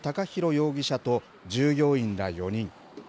容疑者と従業員ら４人。